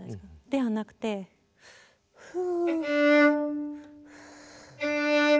ではなくてフゥ。